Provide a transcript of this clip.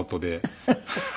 フフフフ。